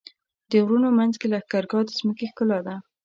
د غرونو منځ کې لښکرګاه د ځمکې ښکلا ده.